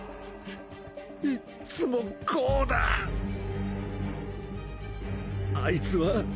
いっつもこうだああいつは！